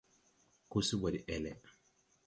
Ko se ɓɔ de ɛlɛ.